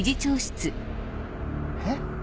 えっ？